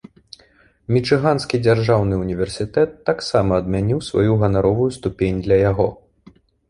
Мічыганскі дзяржаўны ўніверсітэт таксама адмяніў сваю ганаровую ступень для яго.